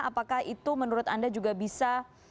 apakah itu menurut anda juga bisa